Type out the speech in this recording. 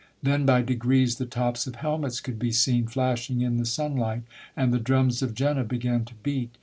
Then by degrees the tops of helmets could be seen flashing in the sunlight, and the drums of Jena began to beat.